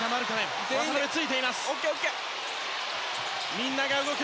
みんなが動く。